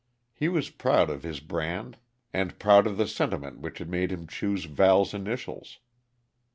He was proud of his brand, and proud of the sentiment which had made him choose Val's initials.